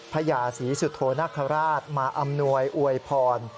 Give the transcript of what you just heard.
พญาศรีสุโธนาคาราชมาอำนวยอวยพร